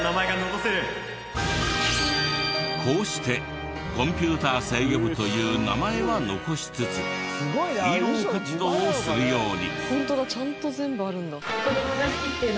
こうしてコンピューター制御部という名前は残しつつヒーロー活動をするように。